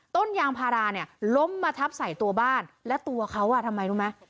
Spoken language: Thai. ต้นยางพาราเนี่ยล้มมาทับใส่ตัวบ้านและตัวเขาอ่ะทำไมรู้ไหม